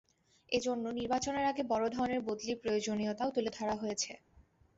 এ জন্য নির্বাচনের আগে বড় ধরনের বদলির প্রয়োজনীয়তাও তুলে ধরা হয়েছে।